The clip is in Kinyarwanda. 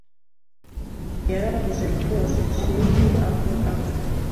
Yarabuze rwose sinzi aho aba.